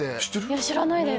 いや知らないです